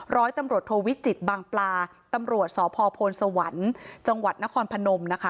ร้อยตำรวจโทวิจิตบางปลาตำรวจสพสวรรค์จนครพนม